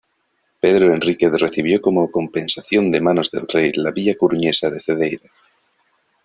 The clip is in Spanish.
Pedro Enríquez recibió como compensación de manos del rey la villa coruñesa de Cedeira.